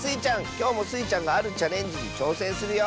きょうもスイちゃんがあるチャレンジにちょうせんするよ。